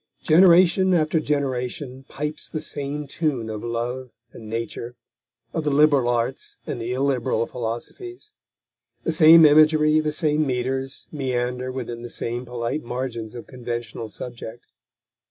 Generation after generation pipes the same tune of love and Nature, of the liberal arts and the illiberal philosophies; the same imagery, the same metres, meander within the same polite margins of conventional subject.